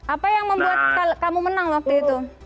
apa yang membuat kamu menang waktu itu